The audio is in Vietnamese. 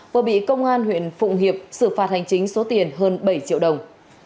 vừa bị công an huyện phụng hiệp xử phạt hành chính số tiền hơn bảy triệu đồng